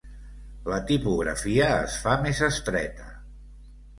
La tipografia es fa més estreta.